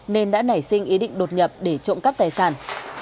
nên đã nảy sinh ý định đột nhập để trộm cắp tài sản